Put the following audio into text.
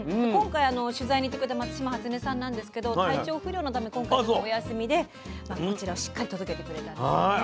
今回取材に行ってくれた松嶋初音さんなんですけど体調不良のため今回はお休みでこちらをしっかり届けてくれたんですね。